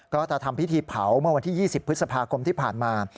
ก็จะทำพิธีเผาเมื่อวันที่๒๐พฤษภาคมที่ผ่านมา